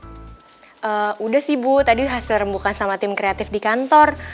eee udah sih ibu tadi hasil rembukan sama tim kreatif di kantor